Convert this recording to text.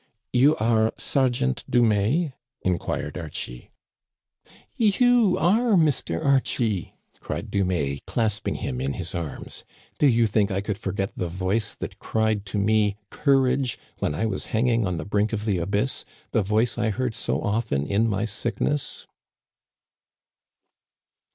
You are — Sergeant Dumais ?inquired Archie. " You are Mr. Archie !cried Dumais, clasping him in his arms. " Do you think I could forget the voice that cried to me * Courage !* when I was hanging on the brink of the abyss — the voice I heard so often in my sickness